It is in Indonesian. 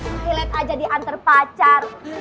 di toilet aja diantar pacar